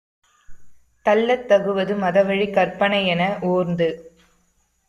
தள்ளத்தகுவது மதவழிக் கற்பனையென ஓர்ந்து